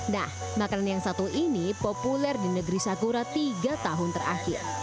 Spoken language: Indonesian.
nah makanan yang satu ini populer di negeri sakura tiga tahun terakhir